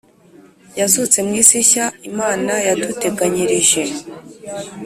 yazutse mu isi nshya Imana yaduteganyirije